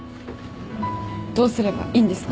どうすればいいんですか？